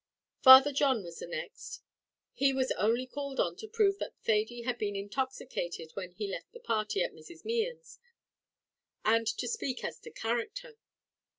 Father John was the next; he was only called on to prove that Thady had been intoxicated when he left the party at Mrs. Mehan's, and to speak as to character.